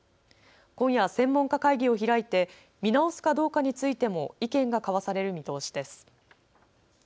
今夜、専門家会議を開いて見直すかどうかについても意見が交わされる見通しです。